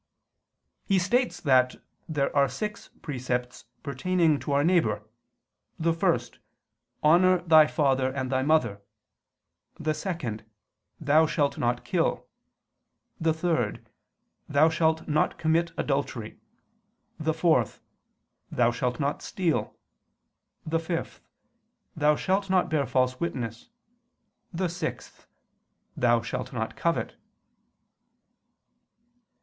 He states that there are six precepts pertaining to our neighbor; the first, "Honor thy father and thy mother"; the second, "Thou shalt not kill"; the third, "Thou shalt not commit adultery"; the fourth, "Thou shalt not steal"; the fifth, "Thou shalt not bear false witness"; the sixth, "Thou shalt not covet."